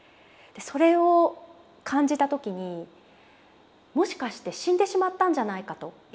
それを感じた時にもしかして死んでしまったんじゃないかと一瞬思ったんです。